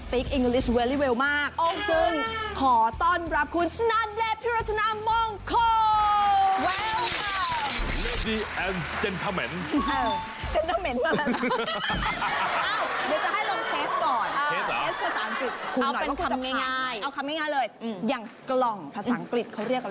เอาคำง่ายเลยอย่างกล่องภาษาอังกฤษเขาเรียกอะไรนะครับ